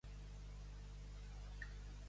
Tot plegat, pela de deu.